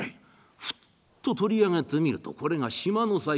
ふっと取り上げてみるとこれが縞の財布でね。